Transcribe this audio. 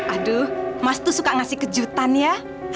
aduh mas tuh suka ngasih kejutan ya